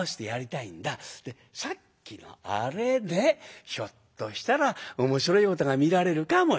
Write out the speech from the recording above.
さっきのアレでひょっとしたら面白いことが見られるかもしれない。